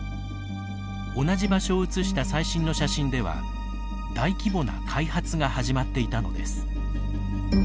同じ場所を写した最新の写真では大規模な開発が始まっていたのです。